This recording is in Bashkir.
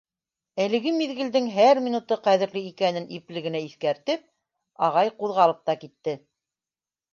Әлеге миҙгелдең һәр минуты ҡәҙерле икәнен ипле генә иҫкәртеп, ағай ҡуҙғалып та китте.